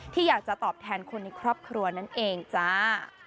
อยากจะตอบแทนคนในครอบครัวนั่นเองจ้า